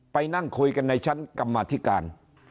ไปนั่งคุยกันในชั้นกรรมธิการ